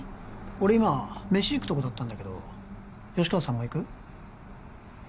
俺今飯行くとこだったんだけど吉川さんも行く？